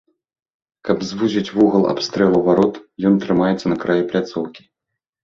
Каб звузіць вугал абстрэлу варот, ён трымаецца на краі пляцоўкі.